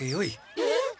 えっ？